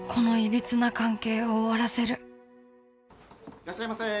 いらっしゃいませ。